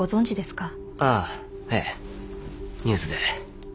ああええニュースで。